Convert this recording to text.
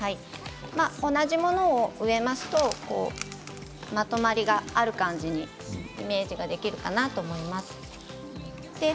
同じものを植えますとまとまりがある感じにイメージができるかなと思います。